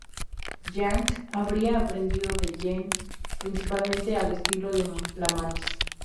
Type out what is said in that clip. Yang habría aprendido de Gen principalmente el estilo de la Mantis.